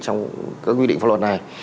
trong các quy định pháp luật